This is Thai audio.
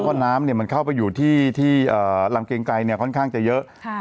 เพราะน้ำมันเข้าไปอยู่ที่ลำเกียงไกรค่อนข้างจะเยอะ